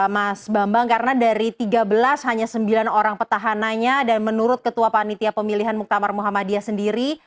mas bambang karena dari tiga belas hanya sembilan orang petahananya dan menurut ketua panitia pemilihan muktamar muhammadiyah sendiri